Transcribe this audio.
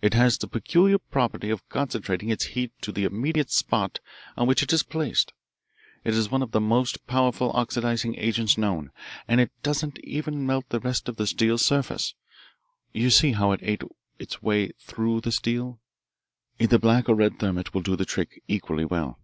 It has the peculiar property of concentrating its heat to the immediate spot on which it is placed. It is one of the most powerful oxidising agents known, and it doesn't even melt the rest of the steel surface. You see how it ate its way through the steel. Either black or red thermit will do the trick equally well."